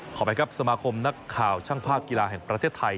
ไปครับสมาคมนักข่าวช่างภาพกีฬาแห่งประเทศไทย